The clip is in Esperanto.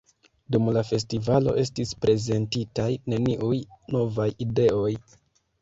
Dum la festivalo estis prezentitaj neniuj novaj ideoj.